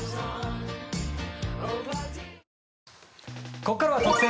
ここからは特選！！